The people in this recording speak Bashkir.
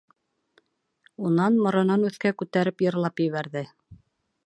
Унан моронон өҫкә күтәреп йырлап ебәрҙе.